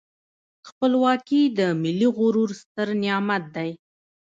خپلواکي د ملي غرور ستر نعمت دی.